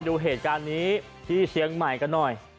ดูเหตุการณ์นี้ที่เชียงใหม่กันหน่อย